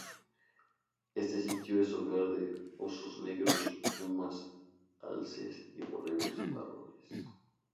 Este sitio es hogar de osos negros, pumas, alces y borregos cimarrones.